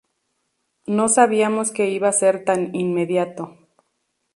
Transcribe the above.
No sabíamos que iba a ser tan inmediato.